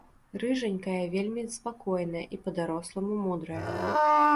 Рыжанькая вельмі спакойная і па-даросламу мудрая.